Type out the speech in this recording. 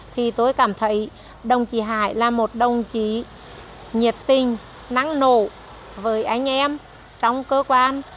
thì tôi cảm thấy đồng chí hải là một đồng chí nhiệt tình năng nổ với anh em trong cơ quan